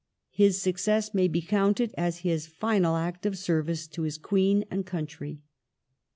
His suc cess may be counted as his final act of service to his Queen and country.